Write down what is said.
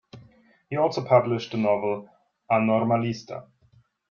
He also published the novel "A Normalista".